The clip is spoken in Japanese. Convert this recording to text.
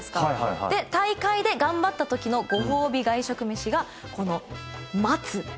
で大会で頑張ったときのご褒美外食飯がこの松３，８００円。